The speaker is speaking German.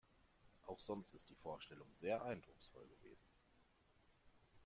Auch sonst ist die Vorstellung sehr eindrucksvoll gewesen.